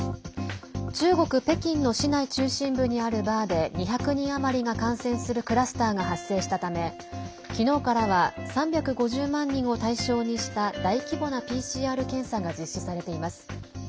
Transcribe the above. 中国・北京の市内中心部にあるバーで２００人余りが感染するクラスターが発生したためきのうからは３５０万人を対象にした大規模なＰＣＲ検査が実施されています。